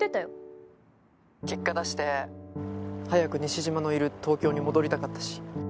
結果出して早く西島のいる東京に戻りたかったし。